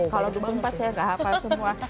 kalau dua puluh empat saya gak hafal semua